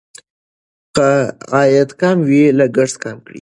که عاید کم وي لګښت کم کړئ.